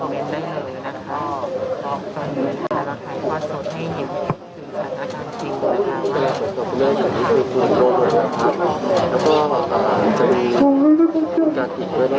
ผมขอรับคุณแม่ครับ